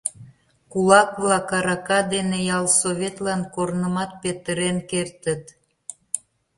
Кулак-влак арака дене ялсоветлан корнымат петырен кертыт.